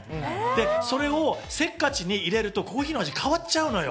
それをせっかちに入れると、コーヒーの味が変わっちゃうのよ。